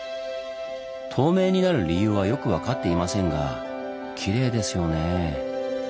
透明になる理由はよく分かっていませんがきれいですよね。